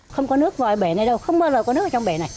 không có nước vào bể này đâu không bao giờ có nước vào trong bể này